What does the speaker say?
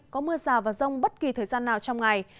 có mưa rào và rông bất kỳ thời gian nào trong ngày